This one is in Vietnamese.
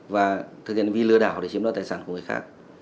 và thực hiện hình ảnh lừa đảo để chiếm loạt tài sản của người khác